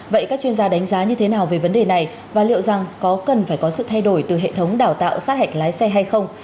vậy các chuyên gia đánh giá như thế nào về vấn đề này và liệu rằng có cần phải có sự thay đổi từ hệ thống đào tạo sát hạch lái xe hay không